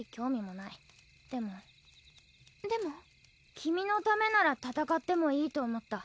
君のためなら戦ってもいいと思った。